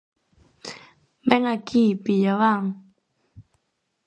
Ven aquí, pillabán.